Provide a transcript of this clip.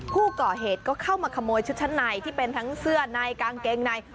ผู้ก่อเหตุก็เข้ามาขโมยชุดชั้นในที่เป็นทั้งเสื้อในกางเกงใน